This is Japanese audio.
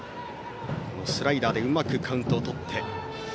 スライダーでうまくカウントをとって。